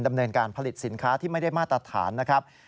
ดำเนินการผลิตสินค้าที่ไม่ได้มาตรฐานนะครับ